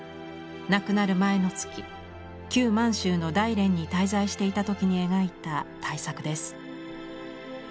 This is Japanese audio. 亡くなる前の月旧満州の大連に滞在していた時に描いた大作です。